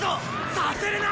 させるな！